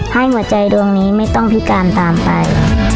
ให้หัวใจดวงนี้ไม่ต้องพิการตามไป